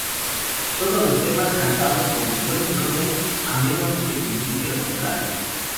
Todos los temas cantados por Johnny Rotten, a menos que se indique lo contrario.